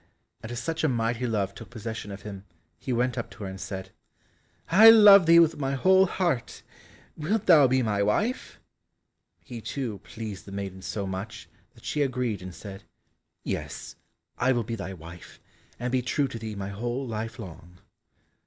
And as such a mighty love took possession of him, he went up to her and said, "I love thee with my whole heart, wilt thou be my wife?" He, too, pleased the maiden so much that she agreed and said, "Yes, I will be thy wife, and be true to thee my whole life long."